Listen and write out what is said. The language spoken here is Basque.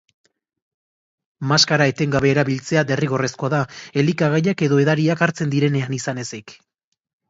Maskara etengabe erabiltzea derrigorrezkoa da, elikagaiak edo edariak hartzen direnean izan ezik.